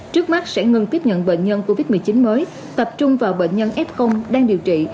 trước mắt sẽ ngừng tiếp nhận bệnh nhân covid một mươi chín mới tập trung vào bệnh nhân f đang điều trị